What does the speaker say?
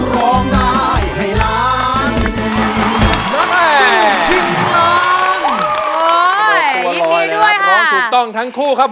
ร้องได้ครับ